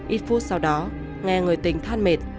ít phút sau đó nghe người tình than mệt